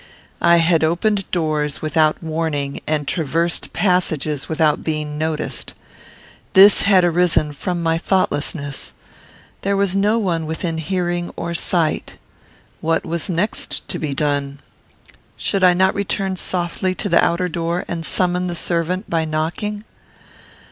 I had opened doors without warning, and traversed passages without being noticed. This had arisen from my thoughtlessness. There was no one within hearing or sight. What was next to be done? Should I not return softly to the outer door, and summon the servant by knocking?